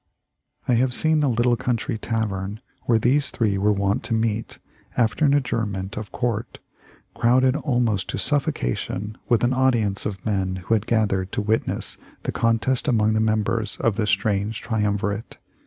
I have seen the little country tavern where these three were wont to meet after an adjourn ment of court, crowded almost to suffocation with an audience of men who had gathered to witness the contest among the members of the strange trium virate.